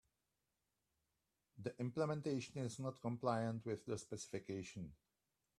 The implementation is not compliant with the specification.